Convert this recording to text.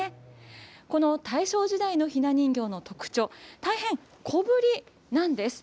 この大正時代のひな人形の特徴、大変小ぶりなんです。